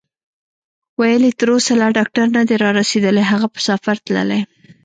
ویل یې: تر اوسه لا ډاکټر نه دی رارسېدلی، هغه په سفر تللی.